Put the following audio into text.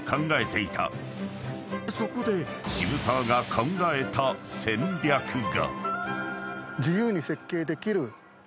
［そこで渋沢が考えた戦略が］